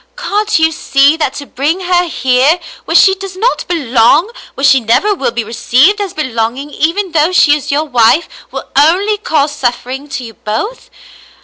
"Can't you see, that to bring her here, where she does not belong — where she never will be received as belong ing, even though she is your wife — will only cause suffering to you both